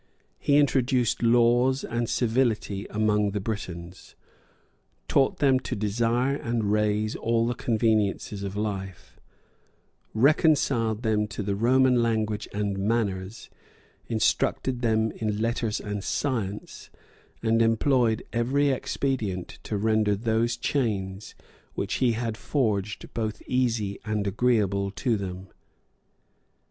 He introduced laws and civility among the Britons, taught them to desire and raise all the conveniences of life, reconciled them to the Roman language and manners, instructed them in letters and science, and employed every expedient to render those chains which he had forged both easy and agreeable to them.